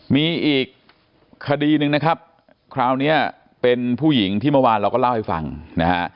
มีอีกคดีหนึ่งนะครับคราวนี้เป็นผู้หญิงที่เมื่อวานเราก็เล่าให้ฟังนะฮะ